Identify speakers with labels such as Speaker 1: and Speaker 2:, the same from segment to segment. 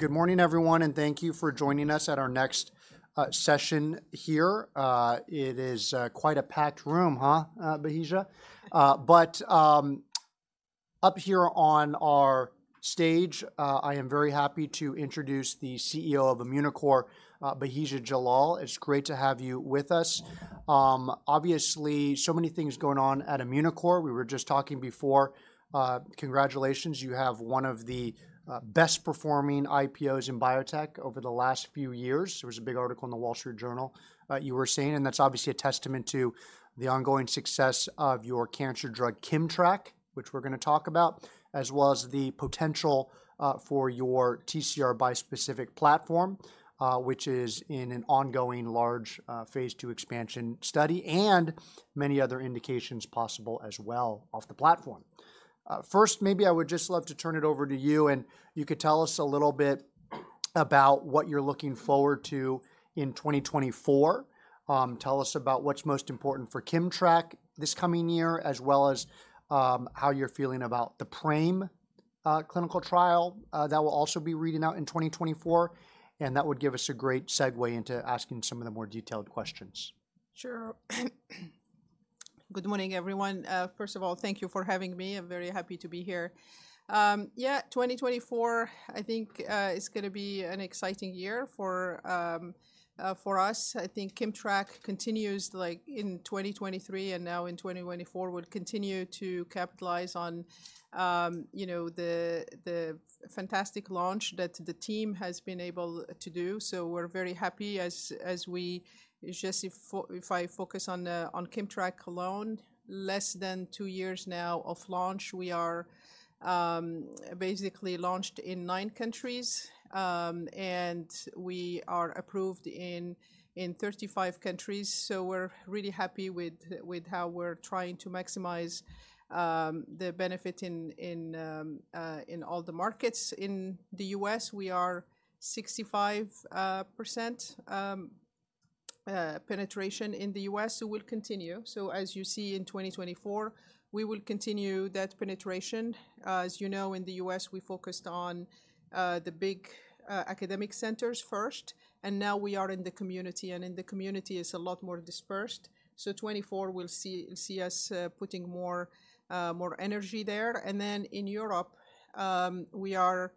Speaker 1: Good morning, everyone, and thank you for joining us at our next session here. It is quite a packed room, huh, Bahija? But up here on our stage, I am very happy to introduce the CEO of Immunocore, Bahija Jallal. It's great to have you with us. Obviously, so many things going on at Immunocore. We were just talking before. Congratulations, you have one of the best performing IPOs in biotech over the last few years. There was a big article in The Wall Street Journal, you were seeing, and that's obviously a testament to the ongoing success of your cancer drug, KIMMTRAK, which we're gonna talk about, as well as the potential, for your TCR bispecific platform, which is in an ongoing large, phase 2 expansion study, and many other indications possible as well off the platform. First, maybe I would just love to turn it over to you, and you could tell us a little bit about what you're looking forward to in 2024. Tell us about what's most important for KIMMTRAK this coming year, as well as, how you're feeling about the PRAME clinical trial, that will also be reading out in 2024, and that would give us a great segue into asking some of the more detailed questions.
Speaker 2: Sure. Good morning, everyone. First of all, thank you for having me. I'm very happy to be here. Yeah, 2024, I think, is gonna be an exciting year for us. I think KIMMTRAK continues, like in 2023 and now in 2024, will continue to capitalize on, you know, the fantastic launch that the team has been able to do, so we're very happy. Just, if I focus on KIMMTRAK alone, less than two years now of launch, we are basically launched in 9 countries, and we are approved in 35 countries. So we're really happy with how we're trying to maximize the benefit in all the markets. In the U.S., we are 65% penetration in the U.S., so we'll continue. So as you see in 2024, we will continue that penetration. As you know, in the U.S., we focused on, the big, academic centers first, and now we are in the community, and in the community, it's a lot more dispersed. So 2024, we'll see us putting more, more energy there. And then in Europe, we are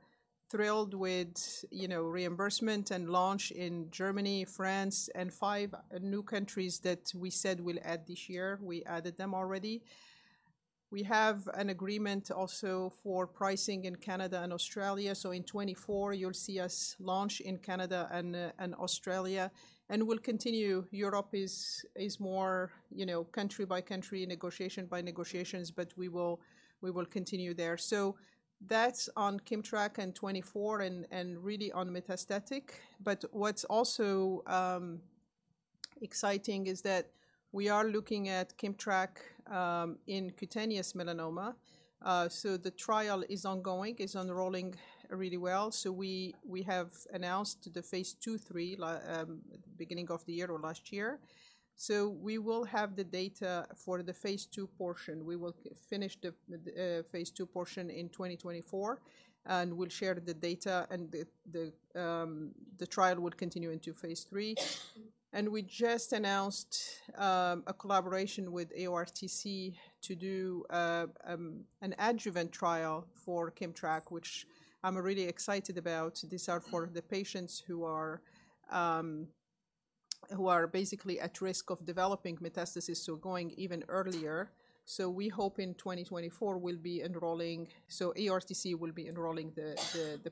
Speaker 2: thrilled with, you know, reimbursement and launch in Germany, France, and five new countries that we said we'll add this year. We added them already. We have an agreement also for pricing in Canada and Australia, so in 2024, you'll see us launch in Canada and, and Australia, and we'll continue. Europe is more, you know, country by country, negotiation by negotiations, but we will, we will continue there. So that's on KIMMTRAK and 2024, and, and really on metastatic. But what's also exciting is that we are looking at KIMMTRAK in cutaneous melanoma. So the trial is ongoing, is enrolling really well, so we have announced the phase 2/3 beginning of the year or last year. So we will have the data for the phase 2 portion. We will finish the phase 2 portion in 2024, and we'll share the data, and the trial will continue into phase 3. And we just announced a collaboration with EORTC to do an adjuvant trial for KIMMTRAK, which I'm really excited about. These are for the patients who are basically at risk of developing metastasis, so going even earlier. So we hope in 2024, we'll be enrolling. So EORTC will be enrolling the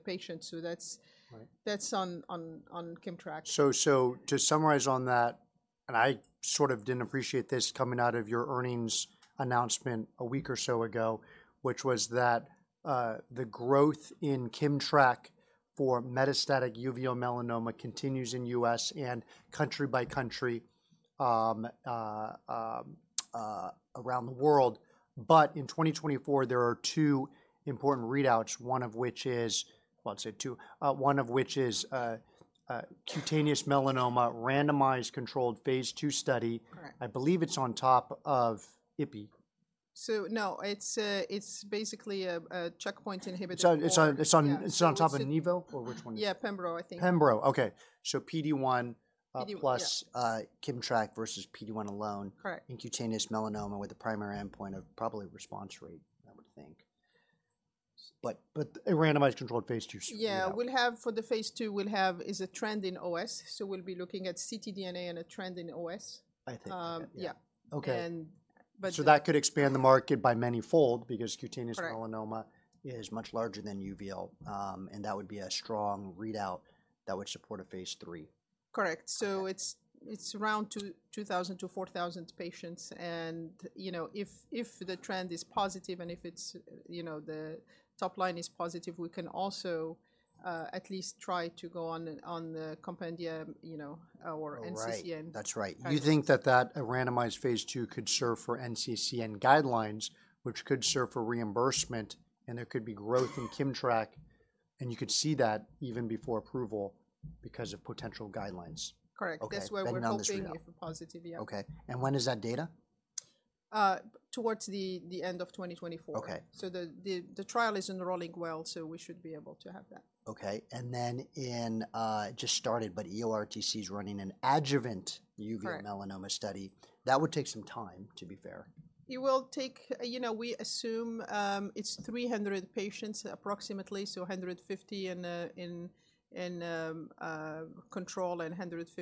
Speaker 2: patients. So that's-
Speaker 1: Right.
Speaker 2: That's on KIMMTRAK.
Speaker 1: So, so to summarize on that, and I sort of didn't appreciate this coming out of your earnings announcement a week or so ago, which was that, the growth in KIMMTRAK for metastatic uveal melanoma continues in U.S. and country by country around the world. But in 2024, there are two important readouts, one of which is, well, let's say two, one of which is, cutaneous melanoma, randomized controlled phase 2 study.
Speaker 2: Correct.
Speaker 1: I believe it's on top of Yervoy.
Speaker 2: So, no, it's basically a checkpoint inhibitor for-
Speaker 1: It's on, it's on, it's on top of Nivo, or which one?
Speaker 2: Yeah, Pembro, I think.
Speaker 1: Pembro. Okay. So PD-1,
Speaker 2: PD-1, yeah...
Speaker 1: plus, KIMMTRAK versus PD-1 alone-
Speaker 2: Correct...
Speaker 1: in cutaneous melanoma with the primary endpoint of probably response rate, I would think. But, but a randomized controlled phase 2, so-
Speaker 2: Yeah, we'll have for the phase 2 is a trend in OS, so we'll be looking at ctDNA and a trend in OS.
Speaker 1: I think.
Speaker 2: Um, yeah.
Speaker 1: Okay.
Speaker 2: And but-
Speaker 1: That could expand the market by manyfold because cutaneous-
Speaker 2: Correct...
Speaker 1: melanoma is much larger than uveal, and that would be a strong readout that would support a phase 3.
Speaker 2: Correct.
Speaker 1: Okay.
Speaker 2: So it's around 2,000-4,000 patients, and, you know, if the trend is positive and if it's, you know, the top line is positive, we can also at least try to go on the compendia, you know, or NCCN.
Speaker 1: Right. That's right. You think that randomized phase 2 could serve for NCCN guidelines, which could serve for reimbursement, and there could be growth in KIMMTRAK, and you could see that even before approval because of potential guidelines?
Speaker 2: Correct.
Speaker 1: Okay.
Speaker 2: That's why we're hoping-
Speaker 1: On this readout...
Speaker 2: if positive, yeah.
Speaker 1: Okay, and when is that data? ...
Speaker 2: towards the end of 2024.
Speaker 1: Okay.
Speaker 2: So the trial is enrolling well, so we should be able to have that.
Speaker 1: Okay. And then in, just started, but EORTC is running an adjuvant uveal
Speaker 2: Correct
Speaker 1: melanoma study. That would take some time, to be fair.
Speaker 2: It will take, you know, we assume, it's 300 patients approximately, so 150 in control, and 150-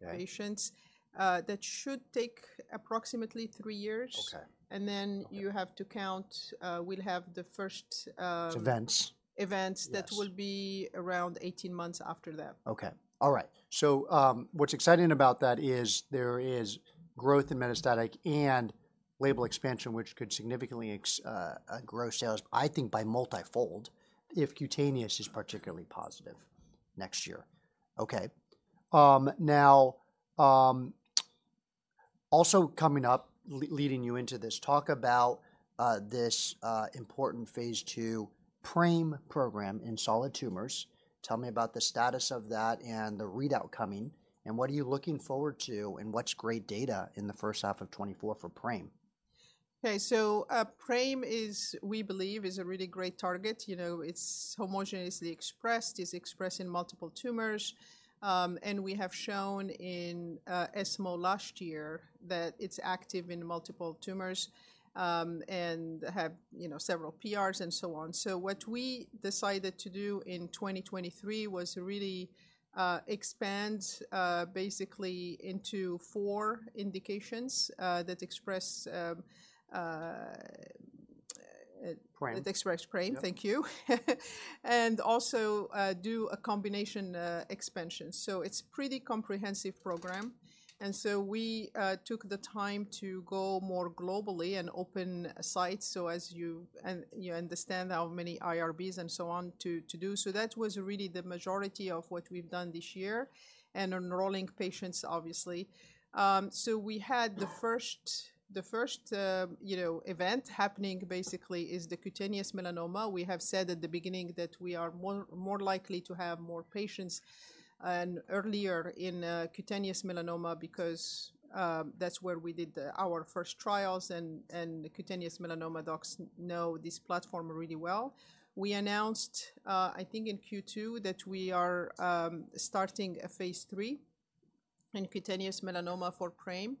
Speaker 1: Yeah
Speaker 2: - patients. That should take approximately three years.
Speaker 1: Okay.
Speaker 2: And then-
Speaker 1: Okay...
Speaker 2: you have to count, we'll have the first,
Speaker 1: Events.
Speaker 2: Events-
Speaker 1: Yes
Speaker 2: that will be around 18 months after that.
Speaker 1: Okay. All right. So, what's exciting about that is there is growth in metastatic and label expansion, which could significantly grow sales, I think by multifold, if cutaneous is particularly positive next year. Okay. Now, also coming up, leading you into this, talk about this important phase 2 PRAME program in solid tumors. Tell me about the status of that and the readout coming, and what are you looking forward to, and what's great data in the first half of 2024 for PRAME?
Speaker 2: Okay, so PRAME is, we believe, a really great target. You know, it's homogeneously expressed in multiple tumors. And we have shown in ESMO last year that it's active in multiple tumors, and have, you know, several PRs and so on. So what we decided to do in 2023 was really expand basically into four indications that express PRAME... that express PRAME. Thank you. And also do a combination expansion. So it's pretty comprehensive program, and so we took the time to go more globally and open sites. So as you understand how many IRBs and so on to do. So that was really the majority of what we've done this year, and enrolling patients, obviously. So we had the first, you know, event happening basically is the cutaneous melanoma. We have said at the beginning that we are more likely to have more patients and earlier in cutaneous melanoma because that's where we did our first trials, and the cutaneous melanoma docs know this platform really well. We announced, I think in Q2, that we are starting a phase 3 in cutaneous melanoma for PRAME.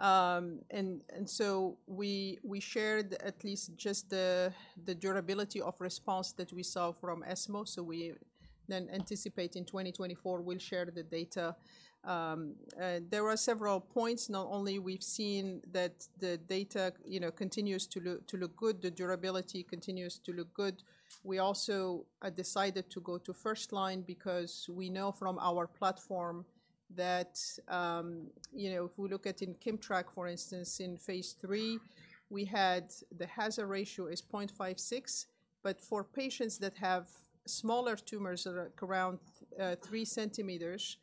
Speaker 2: And so we shared at least just the durability of response that we saw from ESMO, so we then anticipate in 2024, we'll share the data. There were several points. Not only we've seen that the data, you know, continues to look good, the durability continues to look good. We also decided to go to first line because we know from our platform that, you know, if we look at in Keytruda, for instance, in phase 3, we had the hazard ratio is 0.56, but for patients that have smaller tumors that are around 3 centimeters,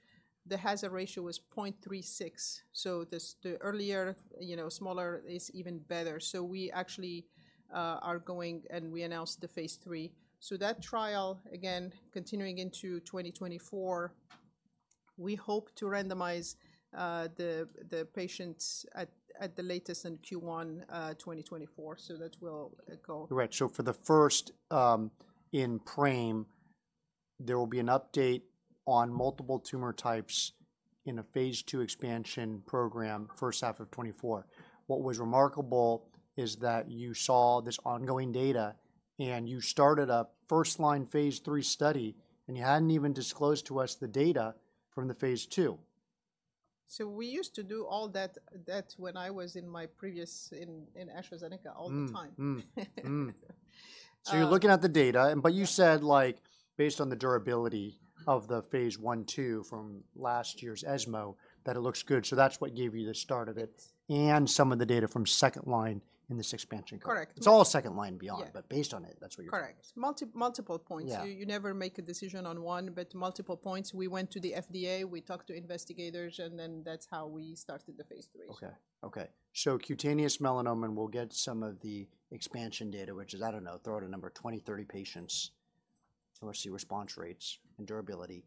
Speaker 2: the hazard ratio is 0.36. So this, the earlier, you know, smaller is even better. So we actually are going, and we announced the phase 3. So that trial, again, continuing into 2024, we hope to randomize the patients at the latest in Q1 2024. So that will go-
Speaker 1: Right. So for the first, in PRAME, there will be an update on multiple tumor types in a phase 2 expansion program, first half of 2024. What was remarkable is that you saw this ongoing data, and you started a first-line phase 3 study, and you hadn't even disclosed to us the data from the phase 2.
Speaker 2: So we used to do all that when I was in my previous in AstraZeneca all the time.
Speaker 1: So you're looking at the data, but you said, like, based on the durability of the phase 1/2 from last year's ESMO, that it looks good, so that's what gave you the start of it-
Speaker 2: Yes...
Speaker 1: and some of the data from second line in this expansion.
Speaker 2: Correct.
Speaker 1: It's all second line beyond-
Speaker 2: Yeah
Speaker 1: but based on it, that's what you're-
Speaker 2: Correct. Multiple points.
Speaker 1: Yeah.
Speaker 2: You never make a decision on one, but multiple points. We went to the FDA, we talked to investigators, and then that's how we started the phase 3.
Speaker 1: Okay, okay. So cutaneous melanoma, and we'll get some of the expansion data, which is, I don't know, throw out a number, 20, 30 patients, or see response rates and durability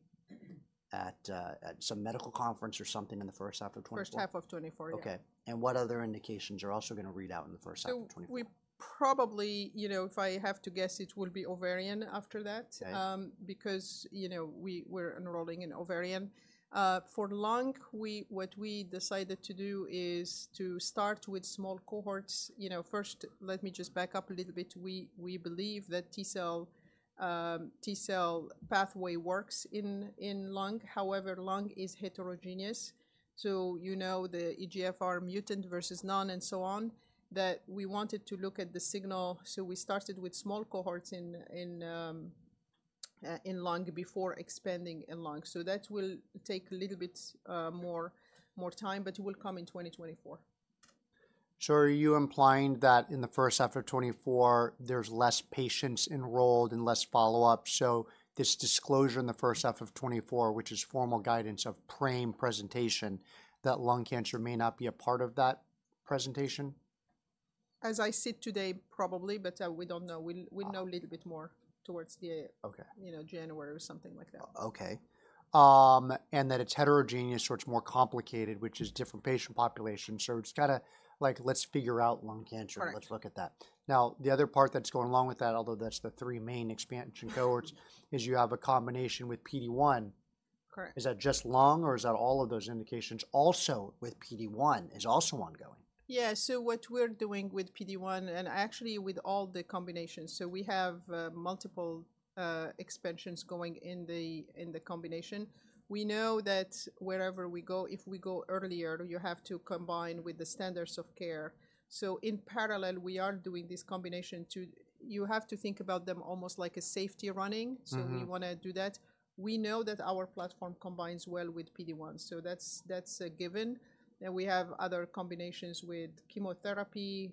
Speaker 1: at some medical conference or something in the first half of 2024?
Speaker 2: First half of 2024, yeah.
Speaker 1: Okay. And what other indications are also gonna read out in the first half of 2024?
Speaker 2: We probably, you know, if I have to guess, it will be ovarian after that-
Speaker 1: Okay...
Speaker 2: because, you know, we're enrolling in ovarian. For lung, what we decided to do is to start with small cohorts. You know, first, let me just back up a little bit. We believe that T cell pathway works in lung. However, lung is heterogeneous, so you know, the EGFR mutant versus none and so on, that we wanted to look at the signal. So we started with small cohorts in lung before expanding in lung. So that will take a little bit more time, but it will come in 2024.
Speaker 1: So are you implying that in the first half of 2024, there's less patients enrolled and less follow-up, so this disclosure in the first half of 2024, which is formal guidance of PRAME presentation, that lung cancer may not be a part of that presentation?...
Speaker 2: as I sit today, probably, but we don't know. We'll know a little bit more towards the-
Speaker 1: Okay.
Speaker 2: you know, January or something like that.
Speaker 1: Okay. And that it's heterogeneous, so it's more complicated, which is different patient population. So it's kinda like, let's figure out lung cancer.
Speaker 2: Correct.
Speaker 1: Let's look at that. Now, the other part that's going along with that, although that's the three main expansion cohorts, is you have a combination with PD-1.
Speaker 2: Correct.
Speaker 1: Is that just lung, or is that all of those indications also with PD-1 is also ongoing?
Speaker 2: Yeah, so what we're doing with PD-1, and actually with all the combinations, so we have multiple expansions going in the combination. We know that wherever we go, if we go earlier, you have to combine with the standards of care. So in parallel, we are doing this combination to... You have to think about them almost like a safety run-in. So we wanna do that. We know that our platform combines well with PD-1, so that's a given. Then we have other combinations with chemotherapy,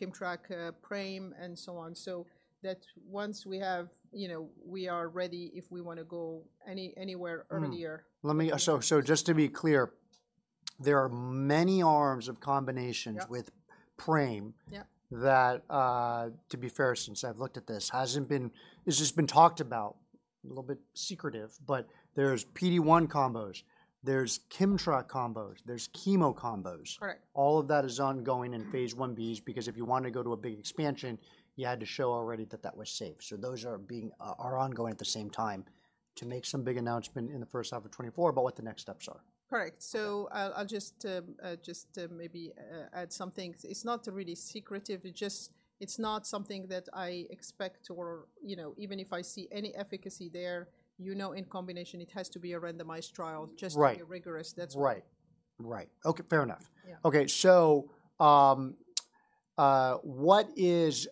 Speaker 2: KIMMTRAK, PRAME, and so on. So that once we have, you know, we are ready if we wanna go anywhere earlier.
Speaker 1: Let me... so just to be clear, there are many arms of combinations-
Speaker 2: Yep...
Speaker 1: with PRAME-
Speaker 2: Yep...
Speaker 1: that, to be fair, since I've looked at this, hasn't been, it's just been talked about, a little bit secretive, but there's PD-1 combos, there's KIMMTRAK combos, there's chemo combos.
Speaker 2: Correct.
Speaker 1: All of that is ongoing in phase 1b's, because if you want to go to a big expansion, you had to show already that that was safe. So those are ongoing at the same time to make some big announcement in the first half of 2024 about what the next steps are.
Speaker 2: Correct. So I'll just maybe add something. It's not really secretive, it just, it's not something that I expect or, you know, even if I see any efficacy there, you know, in combination, it has to be a randomized trial-
Speaker 1: Right...
Speaker 2: just to be rigorous. That's all.
Speaker 1: Right. Right. Okay, fair enough.
Speaker 2: Yeah.
Speaker 1: Okay, so, what is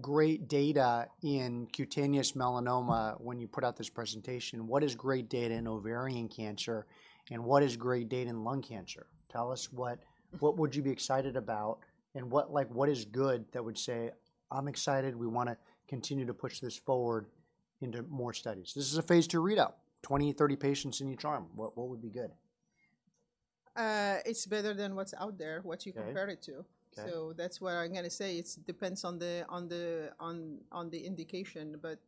Speaker 1: great data in cutaneous melanoma when you put out this presentation? What is great data in ovarian cancer, and what is great data in lung cancer? Tell us, what would you be excited about, and what, like, what is good that would say, "I'm excited, we wanna continue to push this forward into more studies?" This is a phase 2 readout, 20, 30 patients in each arm. What would be good?
Speaker 2: It's better than what's out there-
Speaker 1: Okay...
Speaker 2: what you compare it to.
Speaker 1: Okay.
Speaker 2: So that's where I'm gonna say, it depends on the indication, but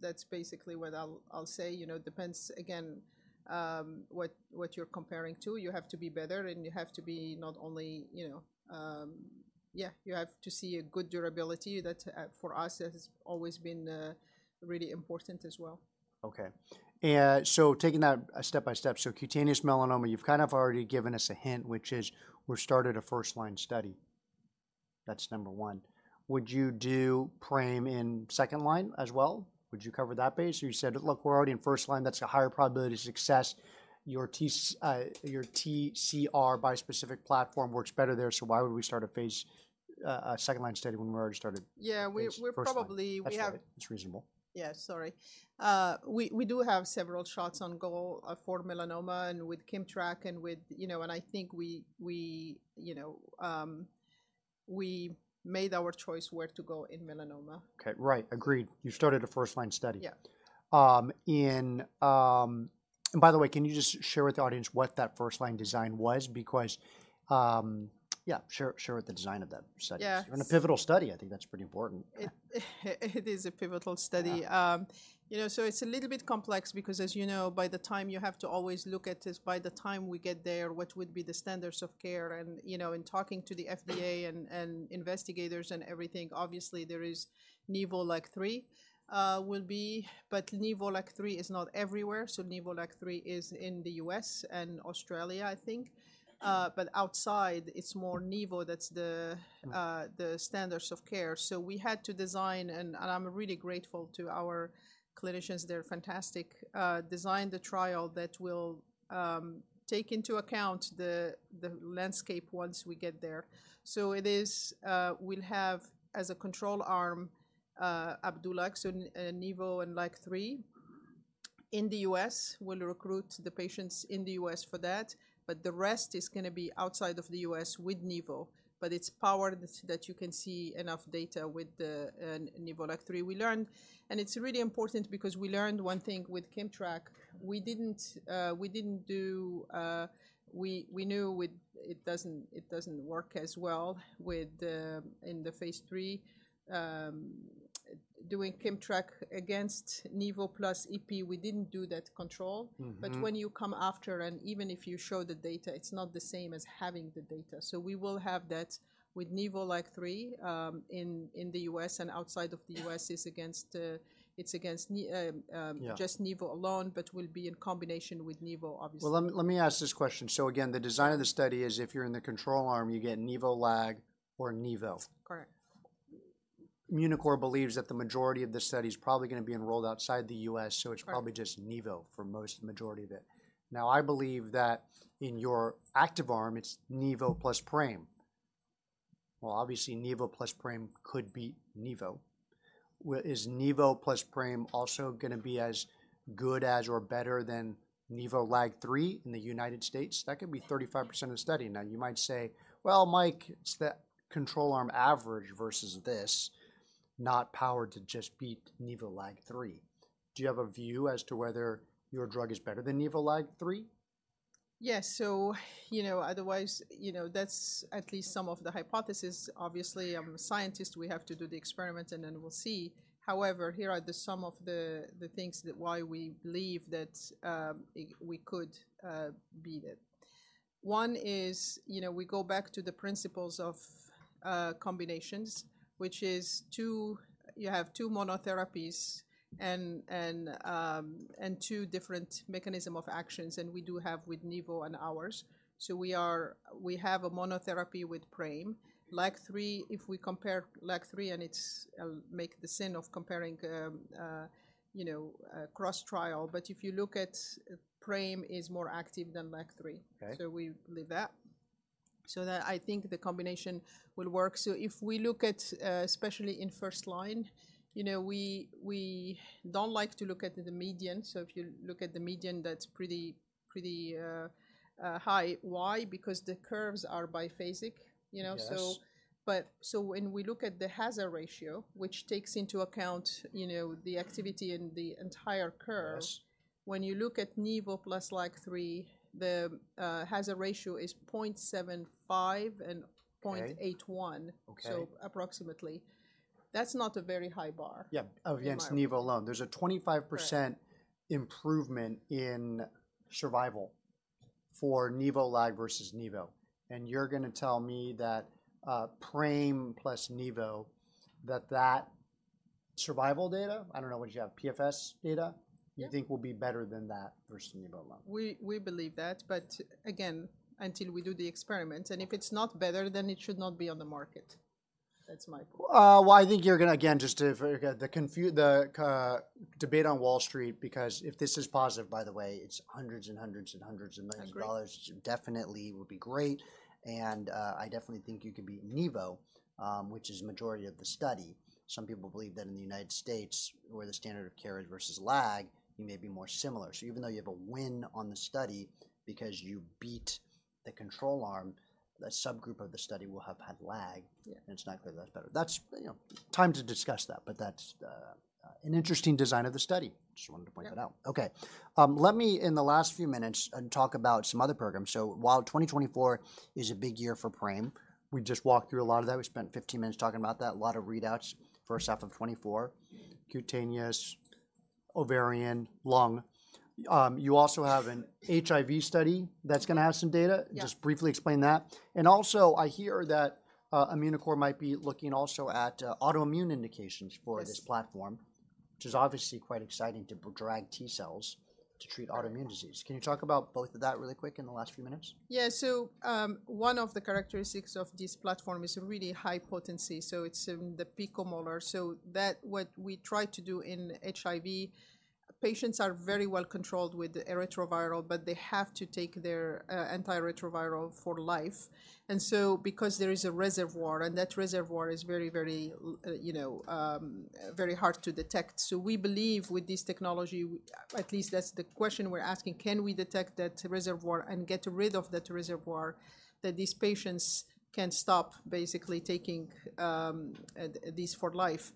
Speaker 2: that's basically what I'll say. You know, it depends, again, what you're comparing to. You have to be better, and you have to be not only, you know... Yeah, you have to see a good durability. That, for us, has always been really important as well.
Speaker 1: Okay. Taking that step by step, so cutaneous melanoma, you've kind of already given us a hint, which is we're started a first-line study. That's number one. Would you do PRAME in second line as well? Would you cover that base? Or you said, "Look, we're already in first line, that's a higher probability of success. Your TCR bispecific platform works better there, so why would we start a Phase second line study when we already started-
Speaker 2: Yeah, we-...
Speaker 1: first line?
Speaker 2: We're probably, we have.
Speaker 1: That's right. It's reasonable.
Speaker 2: Yeah, sorry. We do have several shots on goal for melanoma and with KIMMTRAK and with, you know... And I think we, you know, we made our choice where to go in melanoma.
Speaker 1: Okay, right. Agreed. You've started a first-line study.
Speaker 2: Yeah.
Speaker 1: And by the way, can you just share with the audience what that first-line design was? Because, yeah, share with the design of that study.
Speaker 2: Yes.
Speaker 1: A pivotal study, I think that's pretty important.
Speaker 2: It is a pivotal study.
Speaker 1: Yeah.
Speaker 2: You know, so it's a little bit complex because, as you know, by the time you have to always look at this, by the time we get there, what would be the standards of care? And, you know, in talking to the FDA and investigators and everything, obviously, there is Nivo LAG-3, will be, but Nivo LAG-3 is not everywhere. So Nivo LAG-3 is in the U.S. and Australia, I think. But outside, it's more Nivo, that's the standards of care. So we had to design, and I'm really grateful to our clinicians, they're fantastic, design the trial that will take into account the landscape once we get there. So it is, we'll have, as a control arm, Opdivo, so Nivo and LAG-3. In the U.S., we'll recruit the patients in the U.S. for that, but the rest is gonna be outside of the U.S. with Nivo, but it's powered that you can see enough data with the Nivo LAG-3. We learned... And it's really important because we learned one thing with KIMMTRAK. We didn't do. We knew it doesn't work as well in the phase 3. Doing KIMMTRAK against Nivo plus Ipi, we didn't do that control.
Speaker 1: Mm-hmm.
Speaker 2: But when you come after, and even if you show the data, it's not the same as having the data. So we will have that with Nivo-LAG-3 in the U.S. and outside of the U.S., it's against Nivo-
Speaker 1: Yeah...
Speaker 2: just Nivo alone, but will be in combination with Nivo, obviously.
Speaker 1: Well, let me ask this question. So again, the design of the study is if you're in the control arm, you get Nivo LAG or Nivo?
Speaker 2: Correct.
Speaker 1: Immunocore believes that the majority of the study is probably gonna be enrolled outside the U.S.-
Speaker 2: Right...
Speaker 1: so it's probably just Nivo for most, the majority of it. Now, I believe that in your active arm, it's Nivo plus PRAME. Well, obviously, Nivo plus PRAME could be Nivo. Is Nivo plus PRAME also gonna be as good as or better than Nivo LAG-3 in the United States? That could be 35% of the study. Now, you might say, "Well, Mike, it's that control arm average versus this, not powered to just beat Nivo LAG-3." Do you have a view as to whether your drug is better than Nivo LAG-3?...
Speaker 2: Yes, so, you know, otherwise, you know, that's at least some of the hypothesis. Obviously, I'm a scientist. We have to do the experiments, and then we'll see. However, here are some of the things that why we believe that it we could be it. One is, you know, we go back to the principles of combinations, which is two- you have two monotherapies and, and, and two different mechanism of actions, and we do have with nivo and ours. So we are- we have a monotherapy with PRAME. LAG-3, if we compare LAG-3, and it's make the sin of comparing, you know, a cross trial, but if you look at PRAME is more active than LAG-3.
Speaker 1: Okay.
Speaker 2: So we believe that. So that I think the combination will work. So if we look at, especially in first line, you know, we don't like to look at the median. So if you look at the median, that's pretty, pretty, high. Why? Because the curves are biphasic, you know?
Speaker 1: Yes.
Speaker 2: when we look at the hazard ratio, which takes into account, you know, the activity in the entire curve.
Speaker 1: Yes...
Speaker 2: when you look at nivo plus LAG-3, the hazard ratio is 0.75 and-
Speaker 1: Okay...
Speaker 2: .81.
Speaker 1: Okay.
Speaker 2: So approximately. That's not a very high bar.
Speaker 1: Yeah, against nivo alone. There's a 25%-
Speaker 2: Right...
Speaker 1: improvement in survival for nivo lag versus nivo, and you're gonna tell me that PRAME plus nivo, that survival data, I don't know, what'd you have, PFS data?
Speaker 2: Yeah.
Speaker 1: You think will be better than that versus nivo alone?
Speaker 2: We believe that, but again, until we do the experiment, and if it's not better, then it should not be on the market. That's my point.
Speaker 1: Well, I think you're gonna, again, just to the debate on Wall Street, because if this is positive, by the way, it's hundreds and hundreds and hundreds of millions of dollars.
Speaker 2: Agreed.
Speaker 1: Definitely would be great, and I definitely think you could beat nivo, which is a majority of the study. Some people believe that in the United States, where the standard of care is versus lag, you may be more similar. So even though you have a win on the study because you beat the control arm, the subgroup of the study will have had lag-
Speaker 2: Yeah...
Speaker 1: and it's not clear that's better. That's, you know, time to discuss that, but that's an interesting design of the study. Just wanted to point that out.
Speaker 2: Yeah.
Speaker 1: Okay. Let me, in the last few minutes, talk about some other programs. So while 2024 is a big year for PRAME, we just walked through a lot of that. We spent 15 minutes talking about that. A lot of readouts, first half of 2024, cutaneous, ovarian, lung. You also have an HIV study that's gonna have some data.
Speaker 2: Yeah.
Speaker 1: Just briefly explain that. And also, I hear that, Immunocore might be looking also at, autoimmune indications for-
Speaker 2: Yes...
Speaker 1: this platform, which is obviously quite exciting to drag T cells to treat autoimmune disease. Can you talk about both of that really quick in the last few minutes?
Speaker 2: Yeah. So, one of the characteristics of this platform is really high potency, so it's in the picomolar. So that what we try to do in HIV, patients are very well controlled with antiretroviral, but they have to take their, antiretroviral for life, and so because there is a reservoir, and that reservoir is very, very, very hard to detect. So we believe with this technology, at least that's the question we're asking: Can we detect that reservoir and get rid of that reservoir, that these patients can stop basically taking, this for life?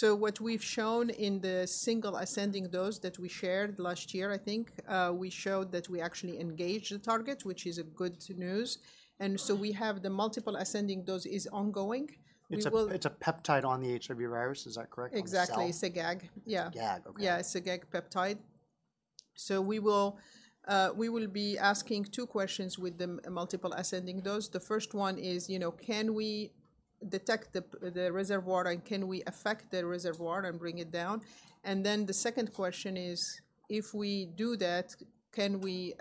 Speaker 2: So what we've shown in the single ascending dose that we shared last year, I think, we showed that we actually engaged the target, which is a good news.
Speaker 1: Mm-hmm.
Speaker 2: And so we have the multiple ascending dose is ongoing. We will-
Speaker 1: It's a peptide on the HIV virus, is that correct? On the cell.
Speaker 2: Exactly. It's a Gag. Yeah.
Speaker 1: Gag, okay.
Speaker 2: Yeah, it's a Gag peptide. So we will, we will be asking two questions with the multiple ascending dose. The first one is, you know, can we detect the reservoir, and can we affect the reservoir and bring it down? And then the second question is, if we do that, can we,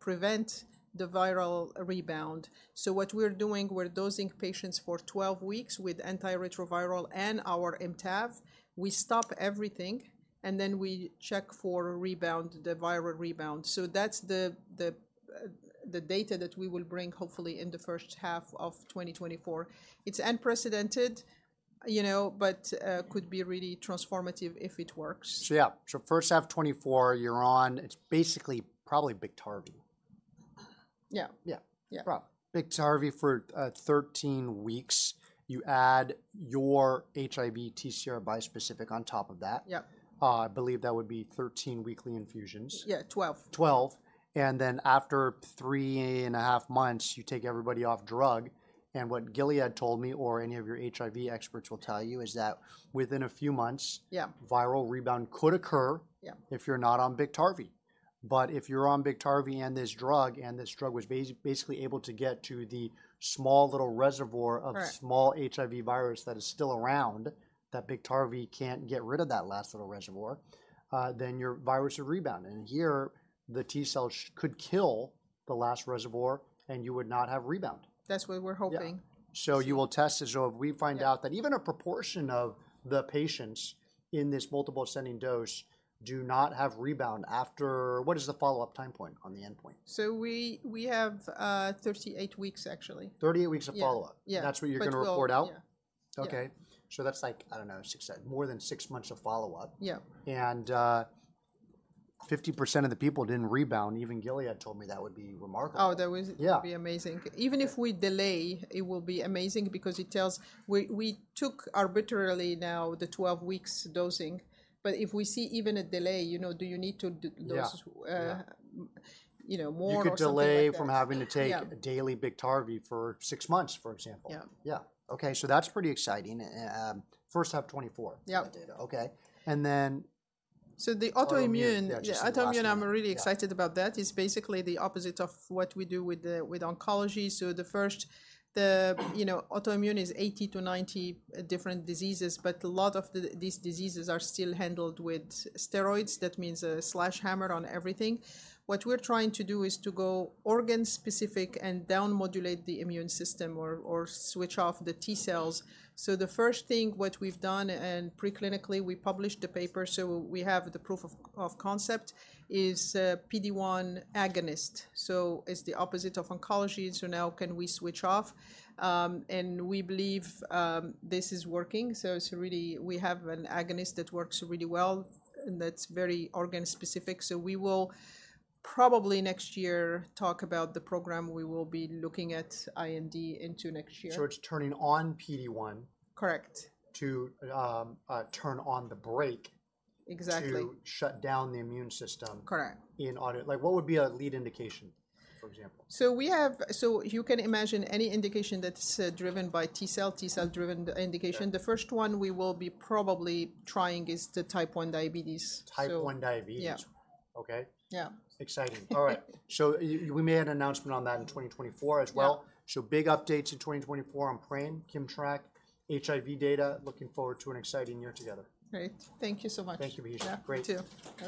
Speaker 2: prevent the viral rebound? So what we're doing, we're dosing patients for 12 weeks with antiretroviral and our ImmTAV. We stop everything, and then we check for rebound, the viral rebound. So that's the data that we will bring hopefully in the first half of 2024. It's unprecedented, you know, but, could be really transformative if it works.
Speaker 1: So yeah, so first half 2024, you're on... It's basically probably Biktarvy.
Speaker 2: Yeah.
Speaker 1: Yeah.
Speaker 2: Yeah.
Speaker 1: Biktarvy for 13 weeks. You add your HIV TCR bispecific on top of that.
Speaker 2: Yeah.
Speaker 1: I believe that would be 13 weekly infusions.
Speaker 2: Yeah, twelve.
Speaker 1: 12, and then after 3.5 months, you take everybody off drug, and what Gilead told me, or any of your HIV experts will tell you, is that within a few months-
Speaker 2: Yeah...
Speaker 1: viral rebound could occur-
Speaker 2: Yeah...
Speaker 1: if you're not on Biktarvy. But if you're on Biktarvy and this drug, and this drug was basically able to get to the small little reservoir of-
Speaker 2: Correct...
Speaker 1: small HIV virus that is still around, that Biktarvy can't get rid of that last little reservoir, then your virus would rebound. And here, the T cell could kill the last reservoir, and you would not have rebound.
Speaker 2: That's what we're hoping.
Speaker 1: Yeah. So you will test this. So if we find out-
Speaker 2: Yeah...
Speaker 1: that even a proportion of the patients in this multiple ascending dose do not have rebound after... What is the follow-up time point on the endpoint?
Speaker 2: So we have 38 weeks, actually.
Speaker 1: 38 weeks of follow-up?
Speaker 2: Yeah, yeah.
Speaker 1: That's what you're gonna report out?
Speaker 2: But we'll, yeah.
Speaker 1: Okay.
Speaker 2: Yeah.
Speaker 1: That's like, I don't know, 6, more than 6 months of follow-up.
Speaker 2: Yeah.
Speaker 1: 50% of the people didn't rebound, even Gilead told me that would be remarkable.
Speaker 2: Oh, that would-
Speaker 1: Yeah...
Speaker 2: be amazing.
Speaker 1: Yeah.
Speaker 2: Even if we delay, it will be amazing because it tells us... We took arbitrarily now the 12 weeks dosing, but if we see even a delay, you know, do you need to dose-
Speaker 1: Yeah, yeah...
Speaker 2: you know, more or something like that?
Speaker 1: You could delay from having to take-
Speaker 2: Yeah...
Speaker 1: daily Biktarvy for six months, for example.
Speaker 2: Yeah.
Speaker 1: Yeah. Okay, so that's pretty exciting, and first half 2024-
Speaker 2: Yeah...
Speaker 1: of that data. Okay. And then-
Speaker 2: So the autoimmune-
Speaker 1: Autoimmune, yeah, just the last thing....
Speaker 2: autoimmune, I'm really excited-
Speaker 1: Yeah...
Speaker 2: about that. It's basically the opposite of what we do with oncology. So the first, you know, autoimmune is 80-90 different diseases, but a lot of these diseases are still handled with steroids. That means a sledgehammer on everything. What we're trying to do is to go organ specific and down-modulate the immune system or switch off the T cells. So the first thing, what we've done, and preclinically, we published the paper, so we have the proof of concept, is PD-1 agonist. So it's the opposite of oncology, so now can we switch off? And we believe this is working, so it's really, we have an agonist that works really well and that's very organ specific. So we will probably next year talk about the program. We will be looking at IND into next year.
Speaker 1: So it's turning on PD-1-
Speaker 2: Correct...
Speaker 1: to turn on the brake-
Speaker 2: Exactly...
Speaker 1: to shut down the immune system-
Speaker 2: Correct
Speaker 1: Like, what would be a lead indication, for example?
Speaker 2: You can imagine any indication that's driven by T-cell-driven indication.
Speaker 1: Yeah.
Speaker 2: The first one we will be probably trying is the Type 1 diabetes, so-
Speaker 1: Type 1 diabetes.
Speaker 2: Yeah.
Speaker 1: Okay.
Speaker 2: Yeah.
Speaker 1: Exciting. All right. So we may have an announcement on that in 2024 as well.
Speaker 2: Yeah.
Speaker 1: So big updates in 2024 on PRAME, KIMMTRAK, HIV data. Looking forward to an exciting year together.
Speaker 2: Great. Thank you so much.
Speaker 1: Thank you, Mike.
Speaker 2: Yeah.
Speaker 1: Great.
Speaker 2: You too.